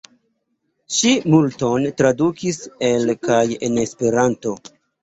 Ŝi multon tradukis el kaj en Esperanto.